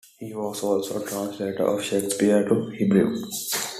He was also translator of Shakespeare to Hebrew.